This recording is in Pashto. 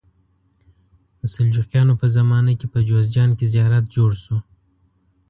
د سلجوقیانو په زمانه کې په جوزجان کې زیارت جوړ شو.